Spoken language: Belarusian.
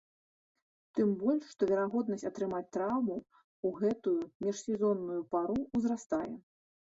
Тым больш, што верагоднасць атрымаць траўму ў гэтую міжсезонную пару ўзрастае.